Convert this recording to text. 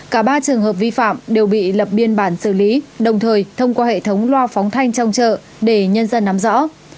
cả ba trường hợp vi phạm đều bị lập biên bản xử lý đồng thời thông qua hệ thống loa phóng thanh trong chợ để nhân dân nắm rõ